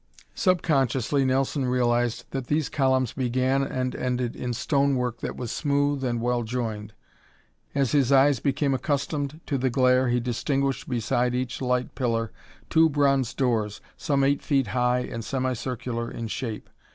Subconsciously Nelson realized that these columns began and ended in stonework that was smooth and well joined. As his eyes became accustomed to the glare he distinguished beside each light pillar two bronze doors, some eight feet high and semicircular in shape.